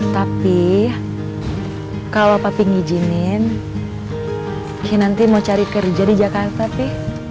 tapi kalau papi ngijinin nanti mau cari kerja di jakarta pi